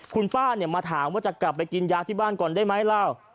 คุณป้ามาถามว่าจะกลับไปกินยาที่บ้านก่อนได้ไหมล่ะ